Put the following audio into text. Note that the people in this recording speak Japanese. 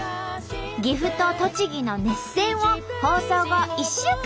岐阜と栃木の熱戦を放送後１週間見られます！